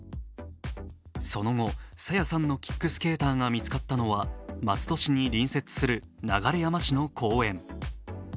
その後、朝芽さんのキックスケーターが見つかったのは松戸市に隣接する流山市の公園。